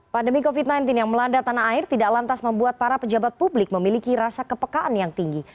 pandemi covid sembilan belas yang melanda tanah air tidak lantas membuat para pejabat publik memiliki rasa kepekaan yang tinggi